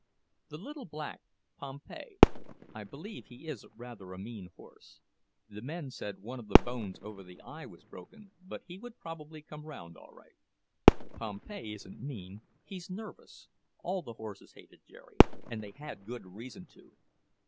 "The little black, Pompey. I believe he is rather a mean horse. The men said one of the bones over the eye was broken, but he would probably come round all right." "Pompey isn't mean; he's nervous. All the horses hated Jerry, and they had good reason to."